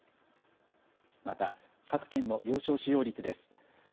また各県の病床使用率です。